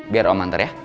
biar om antar ya